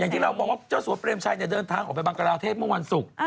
อย่างที่เราบอกว่าเจ้าสวสเตรียมชายเยอะเดินทางออกไปบังกลาเทศเมื่อวันศุกร์